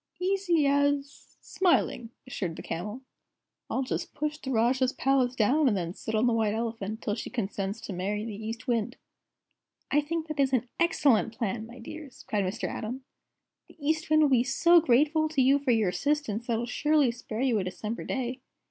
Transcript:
"Easy as smiling," assured the Camel. "I'll just push the Rajah's Palace down, and then sit on the White Elephant till she consents to marry the East Wind." "I think that is an excellent plan, my dears!" cried Mr. Atom. "The East Wind will be so grateful to you for your assistance that he'll surely spare you a December day.